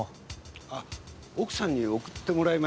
あ奥さんに送ってもらいました。